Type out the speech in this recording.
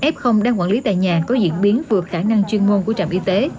f đang quản lý tại nhà có diễn biến vượt khả năng chuyên môn của trạm y tế